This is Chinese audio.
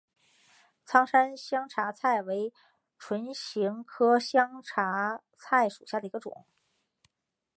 苍山香茶菜为唇形科香茶菜属下的一个种。